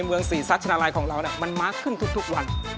เมืองศรีซัชนาลัยของเรามันมากขึ้นทุกวัน